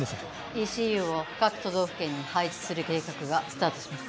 「ＥＣＵ」を各都道府県に配置する計画がスタートします。